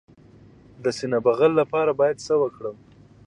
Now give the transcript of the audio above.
د سینه بغل لپاره باید څه وکړم؟